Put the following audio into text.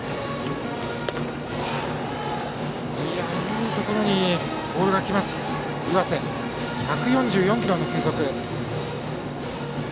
いいところにボールがきます岩瀬、１４４キロの球速。